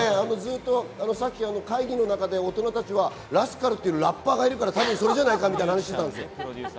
さっき会議の中で大人たちはラスカルっていうラッパーがいるから、それじゃないかって話してたんです。